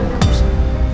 bukannya di sini